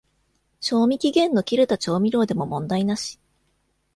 賞味期限の切れた調味料でも問題なし